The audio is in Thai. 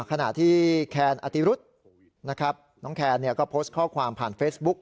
ขณะที่แคนอธิรุษนะครับน้องแคนก็โพสต์ข้อความผ่านเฟซบุ๊ก